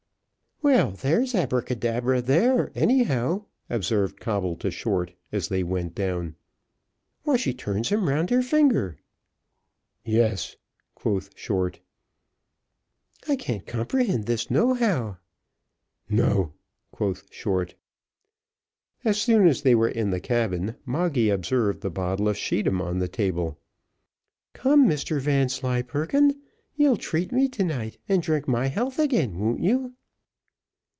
"Well, there's Abacadabra there, anyhow," observed Coble to Short, as they went down. "Why she turns him round her finger." "Yes," quoth Short. "I can't comprehend this not no how." "No," quoth Short. As soon as they were in the cabin, Moggy observed the bottle of scheedam on the table. "Come, Mr Vanslyperken, you'll treat me to night, and drink my health again, won't you?"